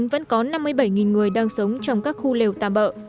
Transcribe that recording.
vẫn có năm mươi bảy người đang sống trong các khu lều tà bợ